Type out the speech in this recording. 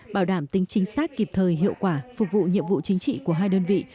bảo đảm tính chính xác kịp thời hiệu quả phục vụ nhiệm vụ chính trị của hai đơn vị